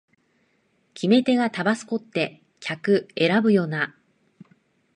決め手がタバスコって客選ぶよなあ